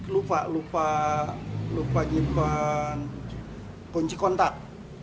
lupa lupa nyimpan kunci kontak